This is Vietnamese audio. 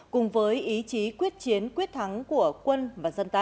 cùng với ý chí quyết chiến quyết thắng của quân và dân ta